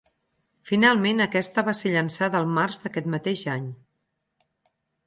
Finalment aquesta va ser llançada el març d'aquest mateix any.